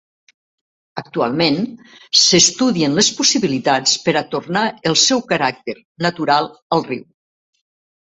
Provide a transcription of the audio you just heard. Actualment, s'estudien les possibilitats per a tornar el seu caràcter natural al riu.